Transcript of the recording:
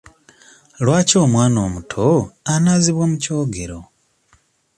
Lwaki omwana omuto anaazibwa mu kyogero?